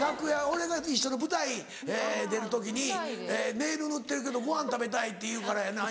俺が一緒の舞台に出る時にネイル塗ってるけどごはん食べたいって言うからやな